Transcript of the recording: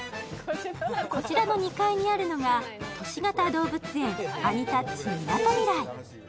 こちらの２階にあるのが都市型動物園アニタッチみなとみらい。